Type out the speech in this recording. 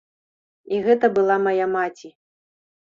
І гэта была мая маці.